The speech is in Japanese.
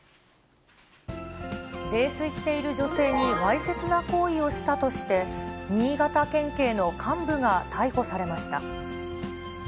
泥酔している女性にわいせつな行為をしたとして、新潟県警の幹部が逮捕されました。